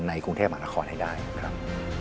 ในกรุงเทพหมาละครให้ได้ครับ